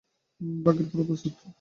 Dagger four, প্রস্তুত।